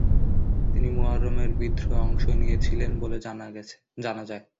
তিনি মুহররমের বিদ্রোহে অংশ নিয়েছিলেন বলে জানা যায়।